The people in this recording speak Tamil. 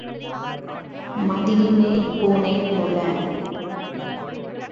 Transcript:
மதில்மேல் பூனைபோல.